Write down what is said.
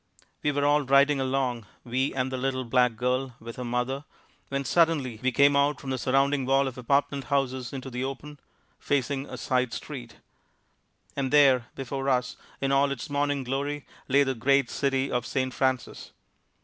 We were all riding along; we and the little black girl with her mother, when suddenly we came out from the surrounding wall of apartment houses into the open, facing a side street . And there before us, in all its morning glory, lay the great city of Saint Francis.